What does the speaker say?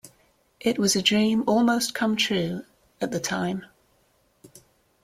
It was a dream almost come true at the time.